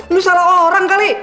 lu salah orang kali